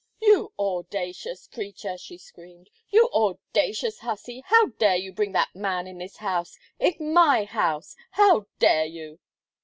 "You audacious creatur," she screamed; "you audacious hussey, how dare you bring that man in this house in my house! How dare you?"